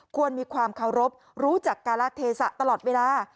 ควรมีความเคารพรู้จักการะเทศะตลอดเวลา